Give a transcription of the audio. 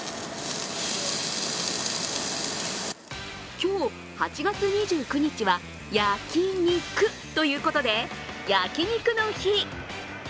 今日８月２９日はやき、にくということで焼肉の日。